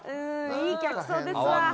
いい客層ですわ。